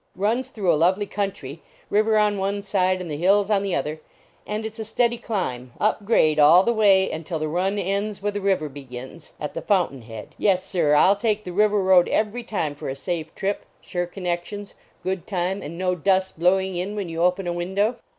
Runs through a lovely country river on one side and the hills on the other; and it s a steady climb, up grade all the way until the run ends where the river begins, at the fountain head. Yes, sir, I ll take the River Road every time for a safe trip, sure connections, good time, and no dust blowing in when you open a window.